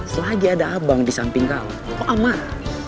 selagi ada abang di samping kau kau aman